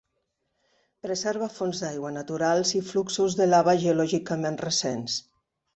Preserva fonts d'aigua naturals i fluxos de lava geològicament recents.